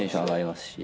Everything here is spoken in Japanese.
お願いします。